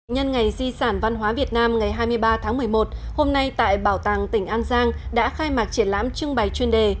nhân ngày di sản văn hóa việt nam ngày hai mươi ba tháng một mươi một hôm nay tại bảo tàng tỉnh an giang đã khai mạc triển lãm trưng bày chuyên đề